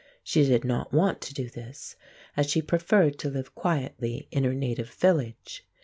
She did not want to do this, as she preferred to live quietly in her native village.